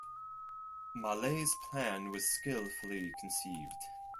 Malet's plan was skillfully conceived.